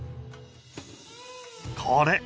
これ。